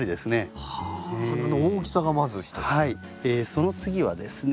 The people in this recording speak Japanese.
その次はですね